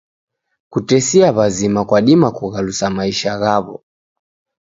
Kutesia w'azima kwadima kughalusa maisha ghaw'o.